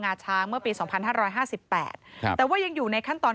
าช้างเมื่อปีสองพันห้าร้อยห้าสิบแปดครับแต่ว่ายังอยู่ในขั้นตอน